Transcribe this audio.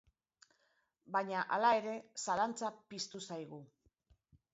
Baina, hala ere, zalantza piztu zaigu.